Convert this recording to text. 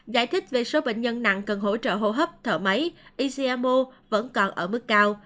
giải thích về số bệnh nhân nặng cần hỗ trợ hô hấp thở máy ecmo vẫn còn ở mức cao